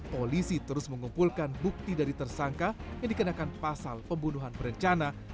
polisi terus mengumpulkan bukti dari tersangka yang dikenakan pasal pembunuhan berencana